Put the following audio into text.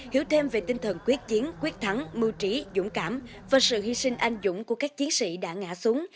hiểu thêm về tinh thần quyết chiến quyết thắng mưu trí dũng cảm và sự hy sinh anh dũng của các chiến sĩ đã ngã xuống